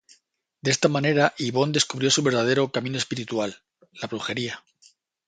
De esta manera Yvonne descubrió su verdadero camino espiritual, la brujería.